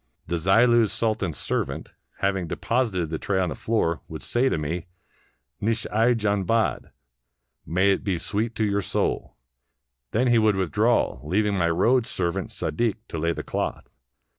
The Zillu's Sultan's servant, having deposited the tray on the floor, would say to me, " Nush i jan bad " ("May it be sweet to your soul!"), then he would with draw, leaving my road servant Sadik to lay the cloth.